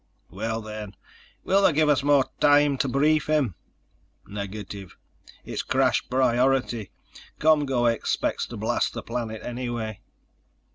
"Well then, will they give us more time to brief him?" "Negative. It's crash priority. ComGO expects to blast the planet anyway."